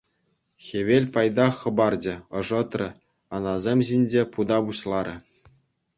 Хӗвел пайтах хӑпарчӗ, ӑшӑтрӗ, анасем ҫинче пута пуҫларӗ.